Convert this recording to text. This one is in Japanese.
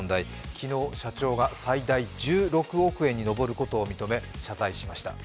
昨日、社長が、最大１６億円に上ることを認め謝罪しました。